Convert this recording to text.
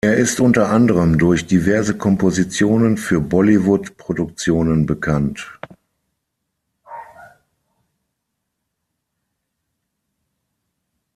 Er ist unter anderem durch diverse Kompositionen für Bollywood-Produktionen bekannt.